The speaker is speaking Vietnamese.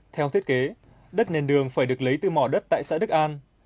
theo thiết kế đất nền đường phải được lấy từ mỏ đất tại xã đức an